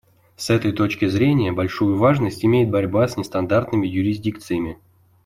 С этой точки зрения, большую важность имеет борьба с нестандартными юрисдикциями.